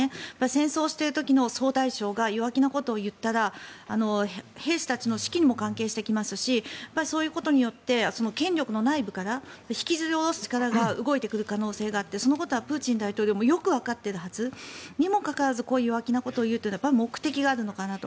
戦争をしている時の総大将が弱気なことを言ったら兵士たちの士気にも関係してきますしそういうことによって権力の内部から引きずり下ろす力が動いてくる可能性があってそのことはプーチン大統領もよくわかっているはず。にもかかわらずこういう弱気なことを言うというのはやっぱり目的があるのかなと。